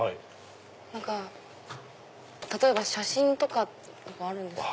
何か例えば写真とかってあるんですか？